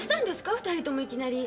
２人ともいきなり。